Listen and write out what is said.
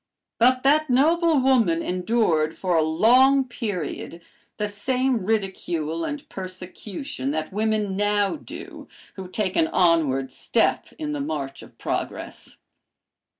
But that noble woman endured for a long period the same ridicule and persecution that women now do who take an onward step in the march of progress.